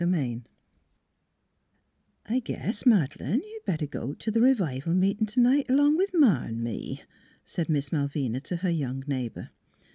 XXII " T GUESS, Mad'lane, you'd better go t' th' r'vival meetin' t'night along with Ma an' me," said Miss Malvina to her young neighbor.